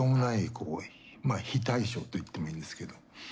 こうまあ非対称といってもいいんですけど